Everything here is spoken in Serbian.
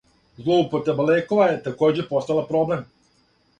Злоупотреба лекова је такође постала проблем.